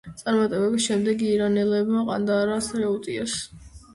წარმატებების შემდეგ ირანელებმა ყანდაარს შეუტიეს.